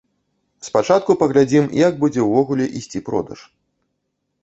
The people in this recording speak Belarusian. Спачатку паглядзім, як будзе ўвогуле ісці продаж.